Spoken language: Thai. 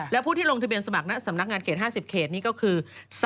และผู้ที่ลงทะเบียนสมัครสำนักงานเขต๕๐เขตนี้ก็คือ